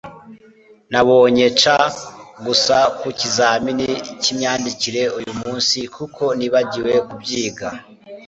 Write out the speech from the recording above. Nabonye C gusa ku kizamini cyimyandikire uyumunsi kuko nibagiwe kubyiga